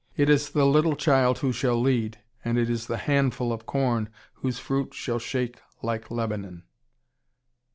It is the little child who shall lead, and it is the handful of corn whose fruit shall shake like Lebanon.